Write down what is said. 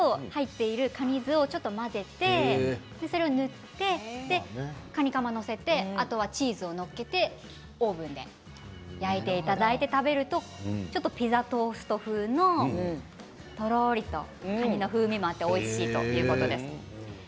マヨネーズとカニ酢をちょっと混ぜてそれを載っけてカニカマ載っけてあとはチーズを載っけてオーブンで焼いていただくとちょっと、ピザトースト風のとろりとしたカニの風味があっておいしいということです。